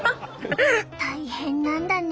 大変なんだね。